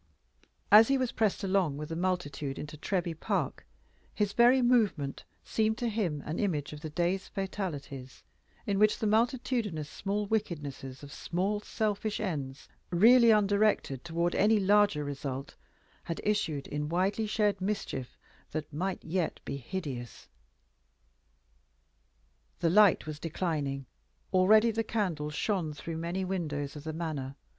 As he was pressed along with the multitude into Treby Park, his very movement seemed to him only an image of the day's fatalities, in which the multitudinous small wickednesses of small selfish ends, really undirected toward any larger result, had issued in widely shared mischief that might yet be hideous. [Illustration: FELIX WOUNDED IN THE RIOT.] The light was declining: already the candles shone through many windows of the Manor.